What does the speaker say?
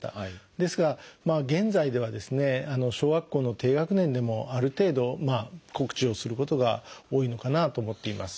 ですが現在ではですね小学校の低学年でもある程度告知をすることが多いのかなと思っています。